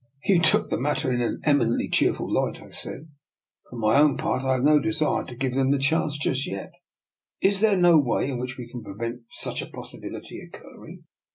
" You look at the matter in an eminently cheerful light," I said. " For my own part, I have no desire to give them the chance just yet. Is there no way in which we can prevent such a possibility occurring?